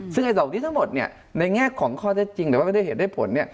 ซึ่งไอ้ส่วนนี้ทั้งหมดในแง่ของข้อเรียสจริงแต่ว่าไม่ได้เห็นได้ผล